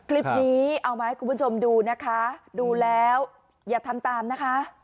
คลิปนี้เอามาให้คุณผู้ชมดูนะคะดูแล้วอย่าทำตามนะคะ